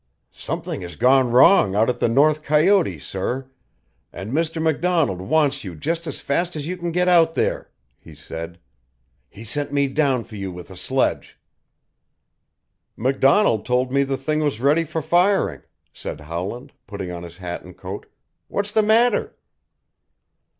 "Something has gone wrong out at the north coyote, sir, and Mr. MacDonald wants you just as fast as you can get out there," he said. "He sent me down for you with a sledge." "MacDonald told me the thing was ready for firing," said Howland, putting on his hat and coat. "What's the matter?"